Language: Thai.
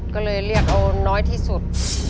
ก็เลยเรียกเอาน้อยที่สุด